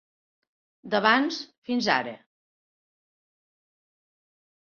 D'abans, fins ara.